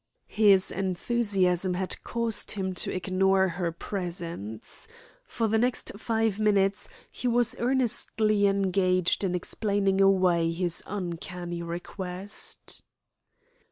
His enthusiasm had caused him to ignore her presence. For the next five minutes he was earnestly engaged in explaining away his uncanny request.